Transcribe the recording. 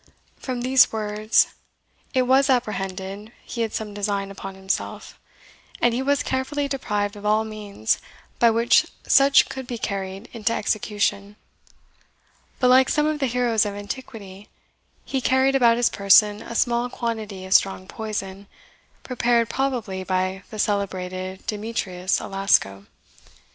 From these words it was apprehended he had some design upon himself, and he was carefully deprived of all means by which such could be carried into execution. But like some of the heroes of antiquity, he carried about his person a small quantity of strong poison, prepared probably by the celebrated Demetrius Alasco.